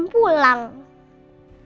masa itu udah berakhir